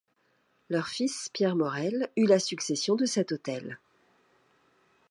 Leur fils Pierre Morel eut la succession de cet hôtel.